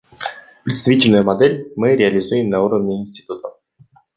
Представительную модель мы реализуем на уровне институтов.